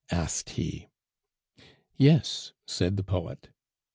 asked he. "Yes," said the poet.